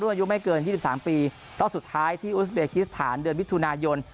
ร่วมอายุไม่เกินยี่สิบสามปีแล้วสุดท้ายที่อุสเบคิสฐานเดือนวิทุนายน